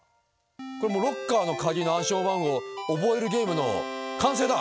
これもうロッカーの鍵の暗証番号覚えるゲームの完成だ！